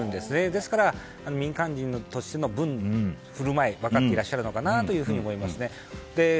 ですから、民間人としての振る舞いを分かっていらっしゃるのかなと思いますね。